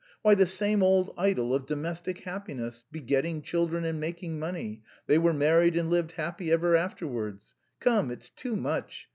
Why, the same old idol of domestic happiness, begetting children and making money; 'they were married and lived happy ever afterwards' come, it's too much!